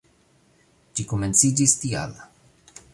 Ĝi komenciĝis tial.